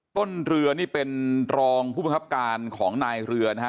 ต้นเรือนี่เป็นรองผู้บังคับการของนายเรือนะฮะ